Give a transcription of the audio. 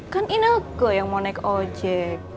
kan inalko yang mau naik ojek